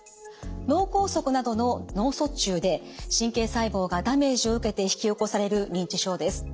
脳梗塞などの脳卒中で神経細胞がダメージを受けて引き起こされる認知症です。